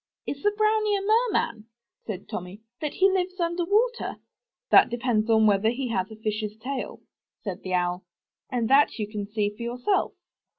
Is the brownie a merman," said Tommy, ''that he lives under water?" 30 UP ONE PAIR OF STAIRS "That depends on whether he has a fish's tail/' said the Owl, ''and that you can see for yourself."